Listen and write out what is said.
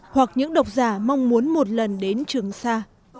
hoặc những độc giả mong muốn một lần đến trường sa